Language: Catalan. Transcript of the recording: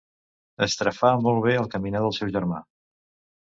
Estrafà molt bé el caminar del seu germà.